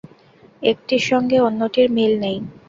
একটির সঙ্গে অন্যটির মিল নেই।